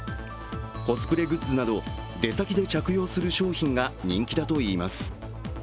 コスプレグッズなど、出先で着用する商品が人気だといいます。